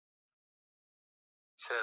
Waziri wa Wizara hiyo Mhe Said Ali Mbarouk